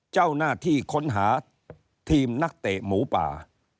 เจ้าหน้าที่ค้นหาทีมนักเตะหมูป่า